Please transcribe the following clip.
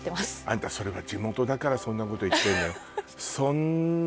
あんたそれは地元だからそんなこと言ってんのよ